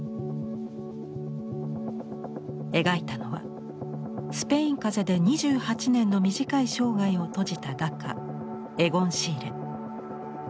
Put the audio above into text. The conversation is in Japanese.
描いたのはスペイン風邪で２８年の短い生涯を閉じた画家エゴン・シーレ。